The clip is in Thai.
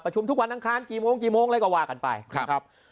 ประชุมทุกวันนั้นค้านกี่โมงอะไรกว่ากันไปนะครับ